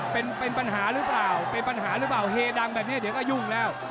เป็นเป็นปัญหาหรือเปล่าเป็นปัญหาหรือเปล่าเฮดังแบบนี้เดี๋ยวก็ยุ่งแล้ว